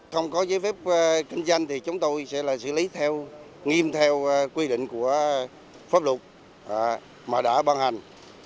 không có giấy phép kinh doanh thì chúng tôi sẽ xử lý theo nghiêm theo quy định của pháp luật mà đã ban hành